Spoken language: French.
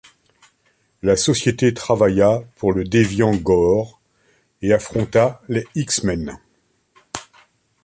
La société travailla pour le Déviant Ghaur et affronta les X-Men.